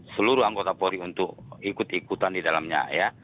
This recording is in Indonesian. seluruh anggota polri untuk ikut ikutan di dalamnya ya